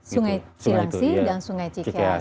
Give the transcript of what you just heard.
sungai cilangsi dan sungai cikeas